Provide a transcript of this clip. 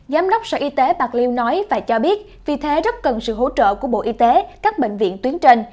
giám đốc sở y tế bạc liêu nói và cho biết vì thế rất cần sự hỗ trợ của bộ y tế các bệnh viện tuyến trên